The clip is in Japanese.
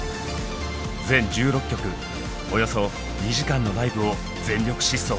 全１６曲およそ２時間のライブを全力疾走。